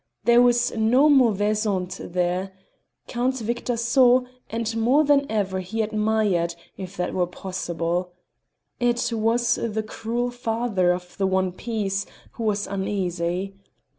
There was no mauvaise honte there, Count Victor saw, and more than ever he admired, if that were possible. It was the cruel father of the piece who was uneasy.